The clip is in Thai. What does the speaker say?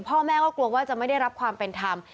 พ่อแม่ก็กลัวว่าจะไม่ได้รับความเป็นธรรม